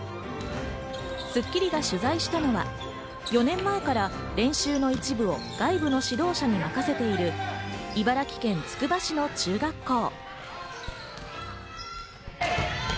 『スッキリ』が取材したのは４年前から練習の一部を外部の指導者に任せている茨城県つくば市の中学校。